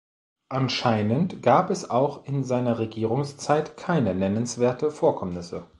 Anscheinend gab es auch in seiner Regierungszeit keine nennenswerte Vorkommnisse.